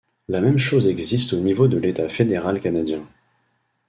La même chose existe au niveau de l'État fédéral canadien.